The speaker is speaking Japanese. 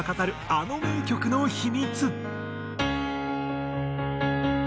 あの名曲の秘密。